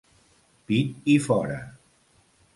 Pit i fora!